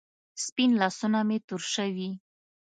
سپین لاسونه مې تور شوې